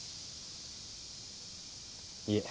いえ。